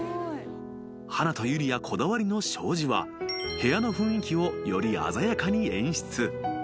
［華とユリアこだわりの障子は部屋の雰囲気をより鮮やかに演出］